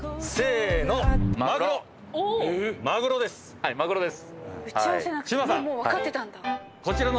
はいマグロです。